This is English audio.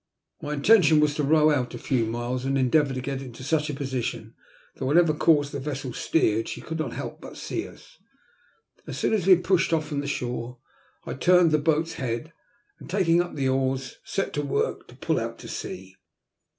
My intention was to row out a few miles and endeavour to get into such a position that whatever course the vessel steered she could not help but see us. As soon as we had pushed off from the shore I turned the boat's head| and, taking up the oarsg set to A BITTEB DISAPPOINTMENT. 183 work to pull out to sea.